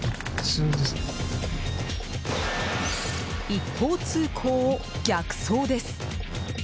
一方通行を逆走です。